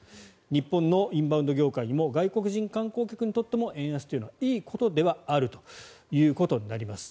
日本のインバウンド業界にも外国人観光客にとっても円安というのはいいことではあるということになります。